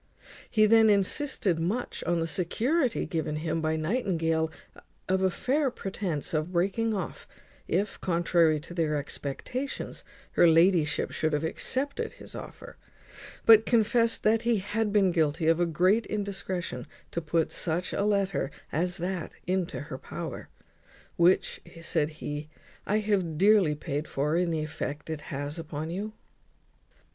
He then insisted much on the security given him by Nightingale of a fair pretence for breaking off, if, contrary to their expectations, her ladyship should have accepted his offer; but confest that he had been guilty of a great indiscretion to put such a letter as that into her power, "which," said he, "I have dearly paid for, in the effect it has upon you."